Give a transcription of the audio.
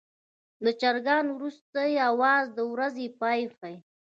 د چرګانو وروستی اواز د ورځې پای ښيي.